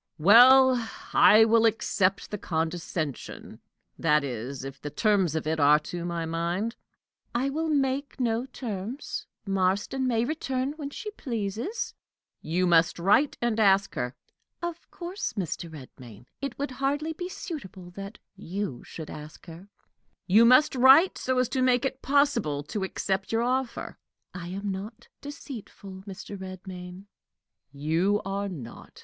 "Well, I will accept the condescension that is, if the terms of it are to my mind." "I will make no terms. Marston may return when she pleases." "You must write and ask her." "Of course, Mr. Redmain. It would hardly be suitable that you should ask her." "You must write so as to make it possible to accept your offer." "I am not deceitful, Mr. Redmain." "You are not.